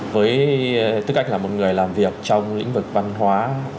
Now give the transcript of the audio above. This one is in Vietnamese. với tư cách là một người làm việc trong lĩnh vực văn hóa